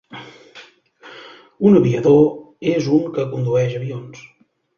Un aviador és un que condueix avions.